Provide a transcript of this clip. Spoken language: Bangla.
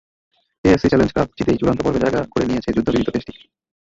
এএফসি চ্যালেঞ্জ কাপ জিতেই চূড়ান্ত পর্বে জায়গা করে নিয়েছে যুদ্ধপীড়িত দেশটি।